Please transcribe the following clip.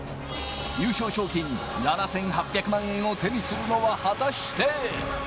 優勝賞金７８００万円を手にするのは果たして。